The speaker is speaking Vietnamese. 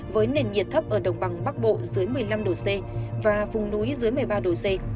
với nền nhiệt thấp ở đồng bằng bắc bộ dưới một mươi năm độ c và vùng núi dưới một mươi ba độ c